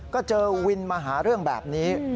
ก็เจอวินมาหาเรื่องแบบนี้